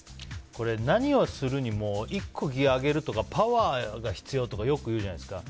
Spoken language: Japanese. これ、何をするにも１個ギアを上げるとかパワーが必要とかよく言うじゃないですか。